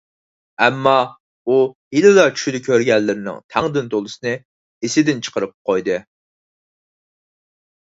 ئەمما، ئۇ ھېلىلا چۈشىدە كۆرگەنلىرىنىڭ تەڭدىن تولىسىنى ئېسىدىن چىقىرىپ قويدى.